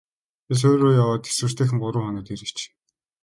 Чи суурь руу яваад тэсвэртэйхэн гурав хоноод ирээч.